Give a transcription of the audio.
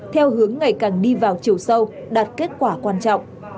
theo hướng ngày càng đi vào chiều sâu đạt kết quả quan trọng